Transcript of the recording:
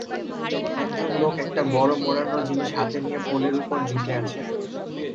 একজন লোক একটা বড় মোড়ানো জিনিস হাতে নিয়ে পোলের ওপর ঝুঁকে আছেন।